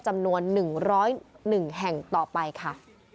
จำนวน๑๐๑แห่งต่อไปค่ะ